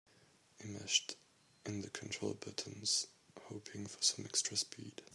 He mashed in the controller buttons, hoping for some extra speed.